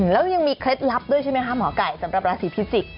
แล้วยังมีเคล็ดลับด้วยใช่ไหมคะหมอไก่สำหรับราศีพิจิกษ